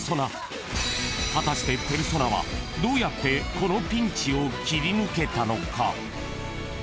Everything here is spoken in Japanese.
［果たしてペルソナはどうやってこのピンチを切り抜けたのか？］